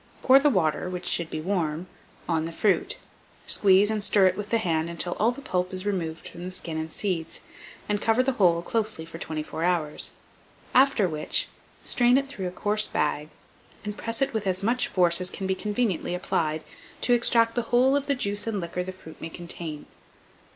Pour the water (which should be warm) on the fruit, squeeze and stir it with the hand until all the pulp is removed from the skin and seeds, and cover the whole closely for 24 hours; after which, strain it through a coarse bag, and press it with as much force as can be conveniently applied, to extract the whole of the juice and liquor the fruit may contain.